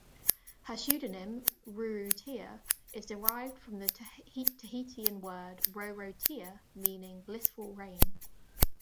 Her pseudonym, Rurutia, is derived from the Tahitian word 'rorotea' meaning "blissful rain".